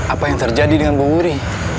apa yang terjadi dengan bu wuri